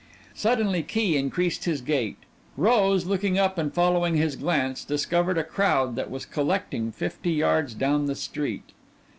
Suddenly Key increased his gait. Rose, looking up and following his glance, discovered a crowd that was collecting fifty yards down the street.